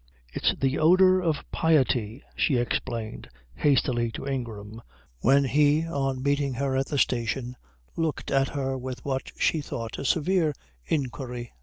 "It's the odour of piety," she explained hastily to Ingram when he on meeting her at the station looked at her with what she thought a severe inquiry.